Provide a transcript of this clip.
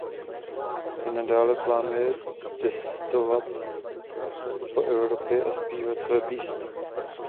I nadále plánuje cestovat po Evropě a zpívat své písně.